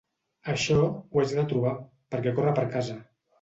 Això, ho haig de trobar, perquè corre per casa.